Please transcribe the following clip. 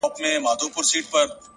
اخلاص د کردار ارزښت څرګندوي،